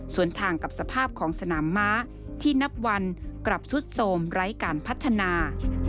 ส่วนทางกับสภาพของสนามม้าที่นับวันกลับสุดโสมไร้การพัฒนา